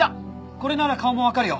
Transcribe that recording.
これなら顔もわかるよ。